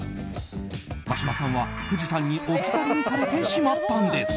眞島さんは富士山に置き去りにされてしまったんです。